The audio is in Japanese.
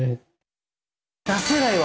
出せないわ！